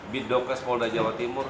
bidokes polda jawa timur